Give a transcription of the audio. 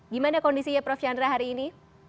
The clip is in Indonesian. gimana kondisi ya prof chandra hari ini